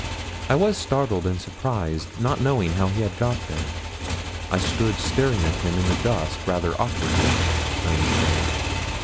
I was startled and surprised, not knowing how he had got there. I stood staring at him in the dusk rather awkwardly, I am afraid.